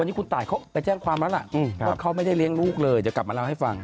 วันนี้คุณตายเขาไปแจ้งความแล้วล่ะว่าเขาไม่ได้เลี้ยงลูกเลยเดี๋ยวกลับมาเล่าให้ฟัง